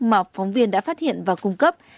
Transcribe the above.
mà phóng viên đã phát hiện và cung cấp